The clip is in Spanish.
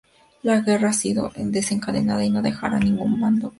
La guerra ha sido desencadenada y no dejará a ningún bando indiferente.